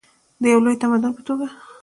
د یو لوی تمدن په توګه.